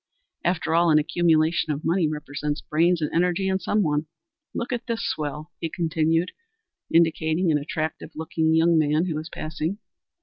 After all, an accumulation of money represents brains and energy in some one. Look at this swell," he continued, indicating an attractive looking young man who was passing.